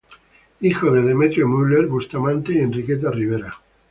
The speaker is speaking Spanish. Hijo de Demetrio Müller Bustamante y Enriqueta Rivera.